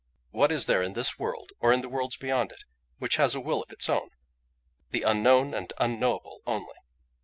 What is there in this whole world, or in the worlds beyond it, which has a will of its own? The Unknown and Unknowable only!